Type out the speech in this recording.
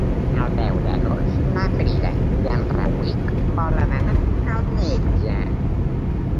El deu d'agost na Frida i en Rauric volen anar al metge.